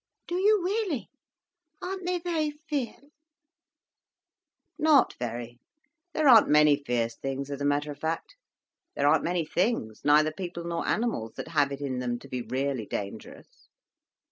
"Do you weally? Aren't they very fierce?" "Not very. There aren't many fierce things, as a matter of fact. There aren't many things, neither people nor animals, that have it in them to be really dangerous."